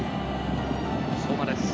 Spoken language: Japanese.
相馬です。